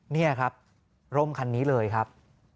นี่ครับร่มคันนี้เลยครับ